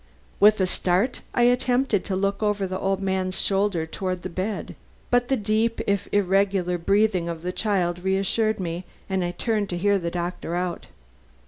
'" With a start I attempted to look over the old man's shoulder toward the bed. But the deep, if irregular, breathing of the child reassured me, and I turned to hear the doctor out.